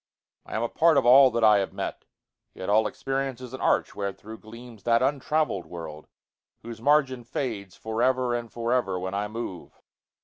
I am a part of all that I have met; Yet all experience is an arch wherethro'Gleams that untravell'd world, whose margin fadesFor ever and for ever when I move.